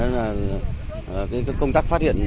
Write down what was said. nên là công tác phát hiện